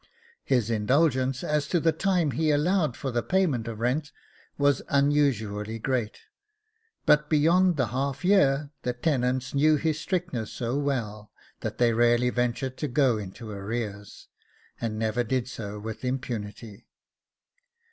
His indulgence as to the time he allowed for the payment of rent was unusually great, but beyond the half year the tenants knew his strictness so well, that they rarely ventured to go into arrears, and never did so with impunity.